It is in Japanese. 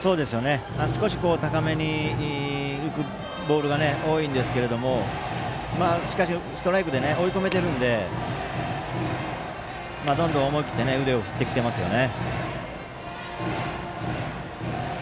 少し高めに浮くボールが多いんですけれどもしかし、ストライクで追い込めているのでどんどん思い切って腕を振ってきてますよね。